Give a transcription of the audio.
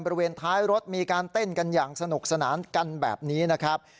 บริเวณท้ายรถมีการเต้นกันอย่างสนุกสนานกันแบบนี้นะครับ